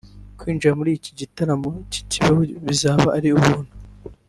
Kwinjira muri iki gitaramo cy’i Kibeho bizaba ari ubuntu